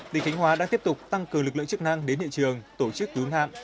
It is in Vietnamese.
định khánh hóa đã tiếp tục tăng cường lực lượng chức năng đến hiện trường tổ chức cứu nạn